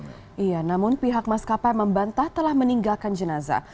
iya namun pihak maskapai membantah telah meninggalkan jenazah